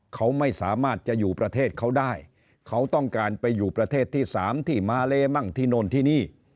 เขาไม่สามารถจะอยู่ประเทศเขาได้เขาต้องการไปอยู่ประเทศที่สามที่มาเลมั่งที่โน่นที่นี่